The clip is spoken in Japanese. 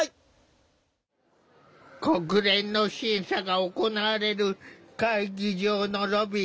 国連の審査が行われる会議場のロビー。